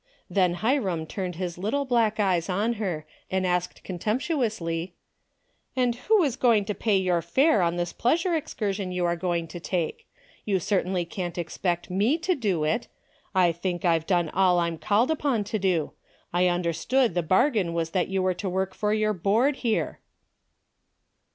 Then Hiram turned his little black eyes on her and asked contemptuously, " And who is going to pay your fare on this pleasure excur sion you are going to take? You certainly can't expect me to do it. I think I've done all I'm called upon to do. I understood the bar gain was that you were to work for your board here."